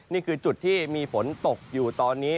นี่คือจุดที่มีฝนตกอยู่ตอนนี้